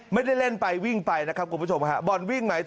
ไม่ได้เล่นไปวิ่งไปนะครับคุณผู้ชมฮะบ่อนวิ่งหมายถึง